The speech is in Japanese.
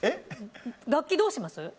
楽器どうします？